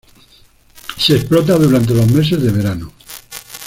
Se explota durante los meses de verano.